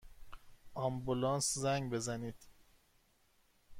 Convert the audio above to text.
آمبولانس زنگ بزنید!